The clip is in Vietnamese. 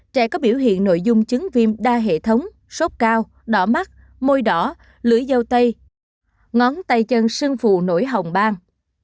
trẻ có biểu hiện nội dung chứng viêm đa hệ thống sốt cao đỏ mắt môi đỏ lưỡi dâu tây ngón tay chân sưng phù nổi hồng bang